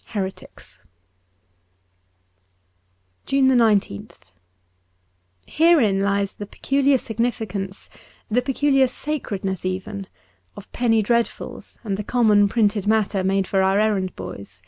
' Heretics.'' 187 JUNE 19th HEREIN lies the peculiar significance, the peculiar sacredness even, of penny dreadfuls and the common printed matter made for our errand boys.